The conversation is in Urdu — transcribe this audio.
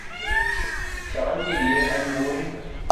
شان کے لئے انمول